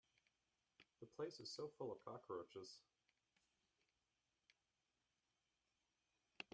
The place is so full of cockroaches.